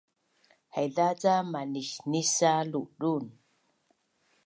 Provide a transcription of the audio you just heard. haiza ca manisnisa ludun